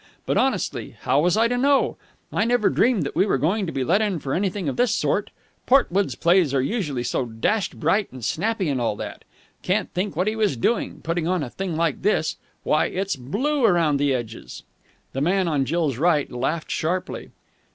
But, honestly, how was I to know? I never dreamed we were going to be let in for anything of this sort. Portwood's plays are usually so dashed bright and snappy and all that. Can't think what he was doing, putting on a thing like this. Why, it's blue round the edges!" The man on Jill's right laughed sharply.